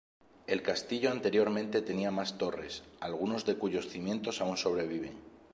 El castillo anteriormente tenía más torres, algunos de cuyos cimientos aún sobreviven.